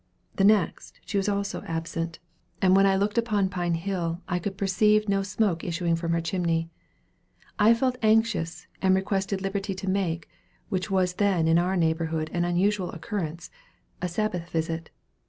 The next, she was also absent; and when I looked upon Pine Hill, I could perceive no smoke issuing from her chimney. I felt anxious, and requested liberty to make, what was then in our neighborhood an unusual occurrence, a Sabbath visit.